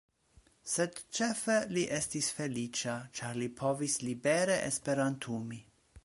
Sed ĉefe li estis feliĉa, ĉar li povis libere esperantumi.